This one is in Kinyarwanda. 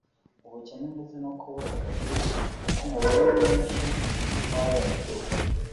ubukene ndetse no kubura akazi ku mubare mwinshi w’abenegihugu